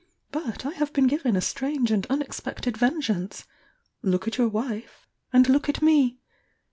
But I have been given a strange and unexpected vengeance! — look at your wife and look at me!